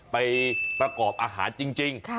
ไปประกอบอาหารจริง